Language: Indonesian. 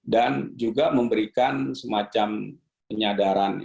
dan juga memberikan semacam penyadaran